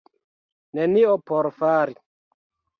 Nenio por fari.